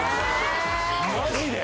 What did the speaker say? マジで。